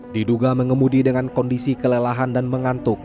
diduga mengemudi dengan kondisi kelelahan dan mengantuk